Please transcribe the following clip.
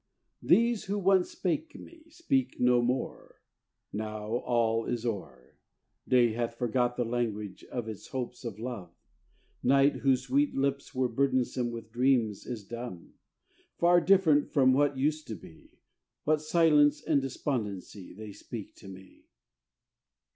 These who once spake me, speak no more, Now all is o'er; Day hath forgot the language of Its hopes of love; Night, whose sweet lips were burdensome With dreams, is dumb; Far different from what used to be, With silence and despondency They speak to me.